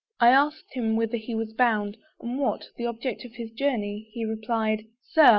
I asked him whither he was bound, and what The object of his journey; he replied "Sir!